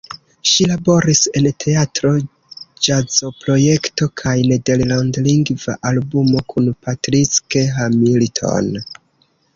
Ŝi laboris en teatro-ĵazoprojekto kaj nederlandlingva albumo kun Patrick Hamilton.